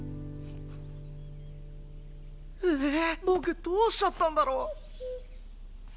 ええ僕どうしちゃったんだろう？